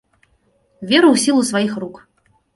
Веру ў сілу сваіх рук.